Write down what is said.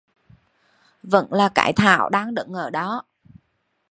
Vẫn là cái thảo đang đứng ở đó